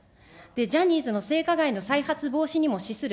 ジャニーズの性加害の再発防止にも資する